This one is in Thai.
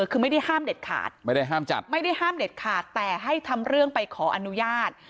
คือไม่ได้ห้ามเด็ดขาดไม่ได้ห้ามเด็ดขาดแต่ให้ทำเรื่องไปขออนุญาต